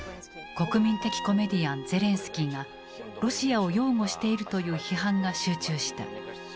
国民的コメディアンゼレンスキーがロシアを擁護しているという批判が集中した。